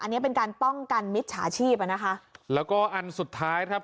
อันนี้เป็นการป้องกันมิจฉาชีพอ่ะนะคะแล้วก็อันสุดท้ายครับ